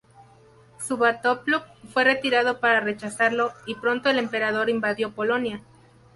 Svatopluk fue retirado para rechazarlo, y pronto el emperador invadió Polonia.